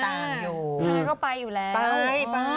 ใช่ก็ไปอยู่แล้วไปไป